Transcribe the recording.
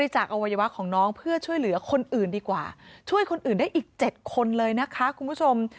ช่วยคนอื่นได้อีก๗คนเลยนะคะคุณผู้ชม